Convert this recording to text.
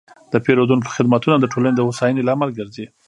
د پیرودونکو خدمتونه د ټولنې د هوساینې لامل ګرځي.